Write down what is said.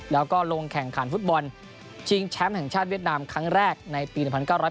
แล้วก็ลงแข่งขันฟุตบอลชิงแชมป์แห่งชาติเวียดนามครั้งแรกในปี๑๙๑